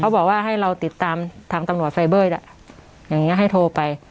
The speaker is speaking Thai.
บอกว่าให้เราติดตามทางตำรวจไฟเบอร์อย่างนี้ให้โทรไป